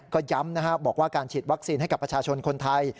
ก็ย้ำนะครับบอกว่าการฉีดวัคซีนให้กับประชาชนคนไทย